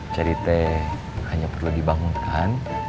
jadi teh hanya perlu dibangunkan